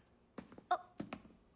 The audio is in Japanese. あっ。